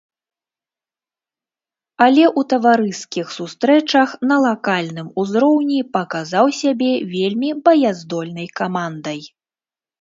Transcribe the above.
Але ў таварыскіх сустрэчах на лакальным узроўні паказаў сябе вельмі баяздольнай камандай.